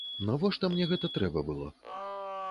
Навошта мне гэта трэба было?